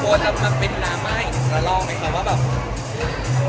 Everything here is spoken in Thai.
โบร์นทำมาเป็นน้ำไห้แล้วลองไหมคะ